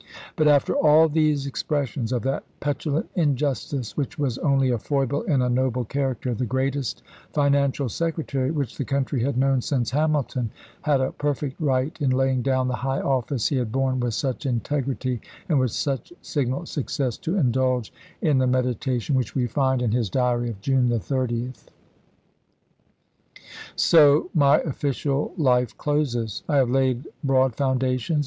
But after all these expressions of that petu lant injustice which was only a foible in a noble character, the greatest financial Secretary which the country had known since Hamilton had a per fect right, in laying down the high office he had borne with such integrity and such signal success, to indulge in the meditation which we find in his diary of June 30 :" So my official life closes. I have laid broad foundations.